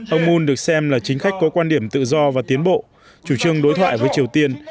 ông moon được xem là chính khách có quan điểm tự do và tiến bộ chủ trương đối thoại với triều tiên